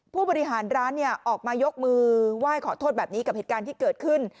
ผู้บริหารร้านออกมายกมือไหว้ขอโทษแบบนี้กับเหตุการณ์ที่เกิดขึ้น